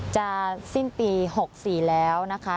จะสิ้นปี๖๔แล้วนะคะ